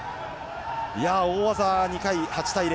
大技２回、８対０